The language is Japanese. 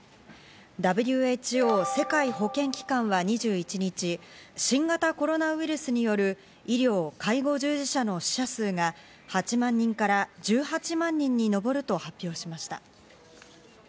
ＷＨＯ＝世界保健機関は２１日、新型コロナウイルスによる医療・介護従事者の死者数が８万人から１８万人に上ると発表しました。